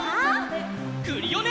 クリオネ！